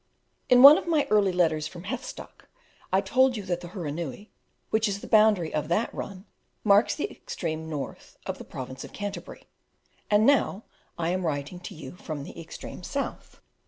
In one of my early letters from Heathstock I told you that the Hurunui, which is the boundary of that run, marks the extreme north of the Province of Canterbury; and now I am writing to you from the extreme south.